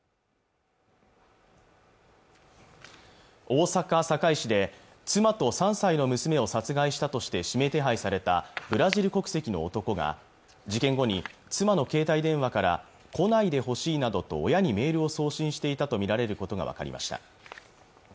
大阪堺市で妻と３歳の娘を殺害したとして指名手配されたブラジル国籍の男が事件後に妻の携帯電話から来ないでほしいなどと親にメールを送信していたと見られることが分かりました